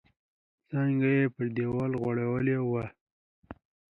څانګې یې پر دیوال غوړولي وې.